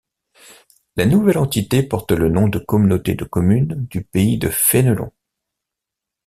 La nouvelle entité porte le nom de communauté de communes du Pays de Fénelon.